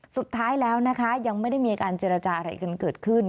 สุดท้ายแล้วนะคะยังไม่ได้มีการเจรจาอะไรกันเกิดขึ้น